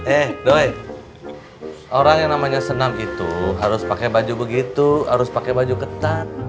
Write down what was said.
eh doy orang yang namanya senam itu harus pakai baju begitu harus pakai baju ketat